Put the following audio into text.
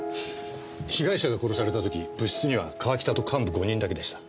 被害者が殺された時部室には川北と幹部５人だけでした。